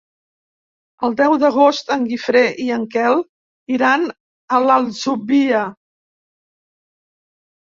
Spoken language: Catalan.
El deu d'agost en Guifré i en Quel iran a l'Atzúbia.